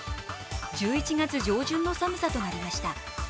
１１月上旬の寒さとなりました。